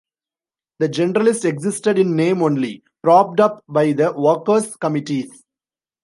The Generalitat existed in name only, propped up by the workers' committees.